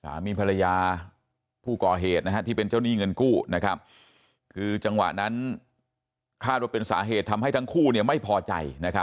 สามีภรรยาผู้ก่อเหตุที่เป็นเจ้าหนี้เงินกู้คือจังหวะนั้นคาดว่าเป็นสาเหตุทำให้ทั้งคู่ไม่พอใจ